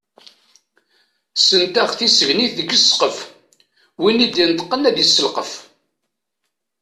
Ssentaɣ tisegnit deg ssqef, win i d-ineṭqen ad isselqef.